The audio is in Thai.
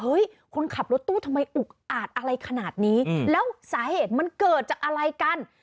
คนขับรถตู้ทำไมอุกอาจอะไรขนาดนี้แล้วสาเหตุมันเกิดจากอะไรกัน